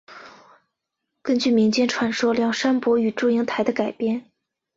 根据民间传说梁山伯与祝英台的改编。